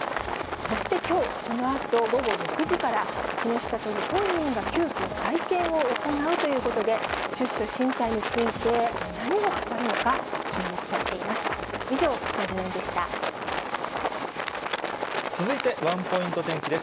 そしてきょう、このあと午後６時から、木下都議本人が、急きょ、会見を行うということで、出処進退について、何を語るのか、注目されています。